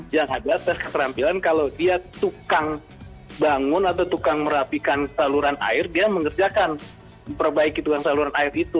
yang ada tes keterampilan kalau dia tukang bangun atau tukang merapikan saluran air dia mengerjakan perbaiki tukang saluran air itu